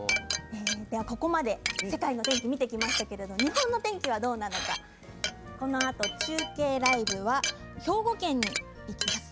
ではここまで世界の天気を見てきましたけれども日本の天気はどうなのかこのあと中継、ライブは兵庫県に行きます。